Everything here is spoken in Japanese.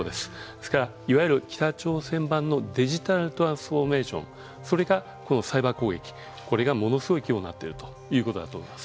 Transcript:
ですからいわゆる北朝鮮版のデジタルトランスフォーメーションそれがこのサイバー攻撃これがものすごい規模になっているということだと思います。